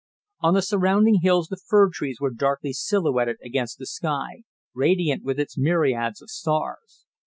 On the surrounding hills the fir trees were darkly silhouetted against the sky, radiant with its myriads of stars.